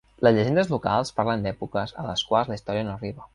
Les llegendes locals parlen d'èpoques a les quals la història no arriba.